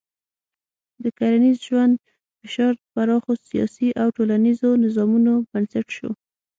د کرنیز ژوند فشار پراخو سیاسي او ټولنیزو نظامونو بنسټ شو.